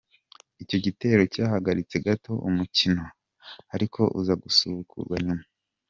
Icyo gitero cyahagaritse gato umukino ariko uzagusubukurwa nyuma.